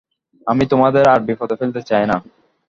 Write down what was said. আমি তোমাদের আর বিপদে ফেলতে চাই না।